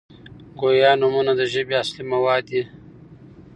ګویا نومونه د ژبي اصلي مواد دي.